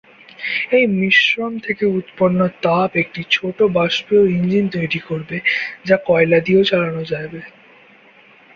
এই মিশ্রণ থেকে উৎপন্ন তাপ একটি ছোট বাষ্পীয় ইঞ্জিন তৈরি করবে যা কয়লা দিয়েও চালানো যাবে।